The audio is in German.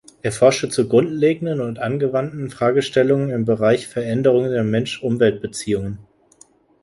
Er forschte zu grundlegenden und angewandten Fragestellungen im Bereich „Veränderungen der Mensch-Umwelt-Beziehungen“.